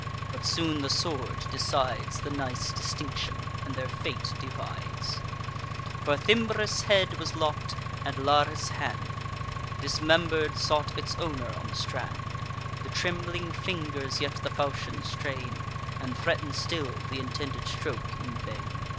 but soon the sword decides The nice distinction, and their fate divides: For Thymbrus' head was lopp'd; and Laris' hand, Dismember'd, sought its owner on the strand: The trembling fingers yet the falchion strain, And threaten still th' intended stroke in vain.